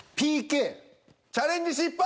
チャレンジ失敗！